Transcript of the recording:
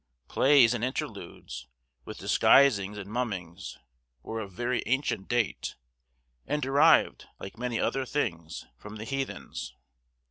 Plays and interludes, with disguisings and mummings, were of very ancient date, and derived, like many other things, from the heathens.